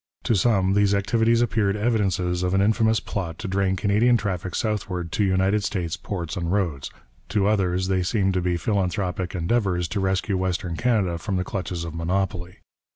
To some these activities appeared evidences of an infamous plot to drain Canadian traffic southward to United States ports and roads: to others they seemed to be philanthropic endeavours to rescue Western Canada from the clutches of monopoly.